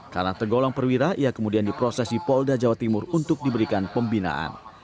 karena tergolong perwira ia kemudian diprosesi polda jawa timur untuk diberikan pembinaan